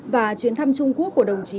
và chuyến thăm trung quốc của đồng chí